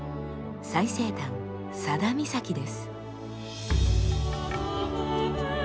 最西端佐田岬です。